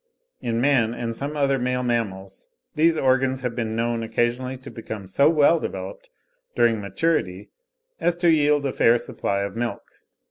In man and some other male mammals these organs have been known occasionally to become so well developed during maturity as to yield a fair supply of milk.